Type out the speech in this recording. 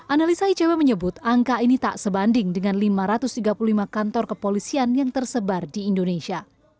analisa icw menyebut angka ini tak sebanding dengan lima ratus tiga puluh lima kantor kepolisian yang tersebar di indonesia